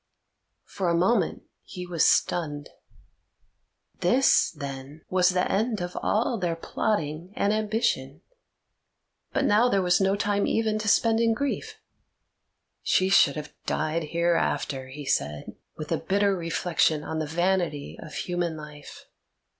For a moment he was stunned. This, then, was the end of all their plotting and ambition! But now there was no time even to spend in grief. "She should have died hereafter," he said, with a bitter reflection on the vanity of human life.